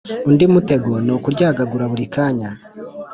Undi mutego nukuryagagura burikanya